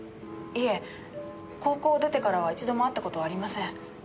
いえ高校を出てからは一度も会った事はありません。